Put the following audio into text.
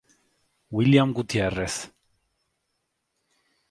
William Gutiérrez